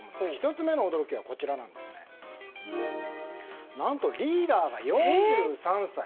１つ目の驚きは何とリーダーが４３歳。